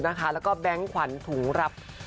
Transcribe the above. แล้วก็แบงค์ขวัญถุงรับ